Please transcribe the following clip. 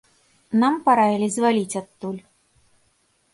Нам параілі зваліць адтуль.